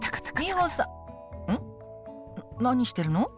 何してるの？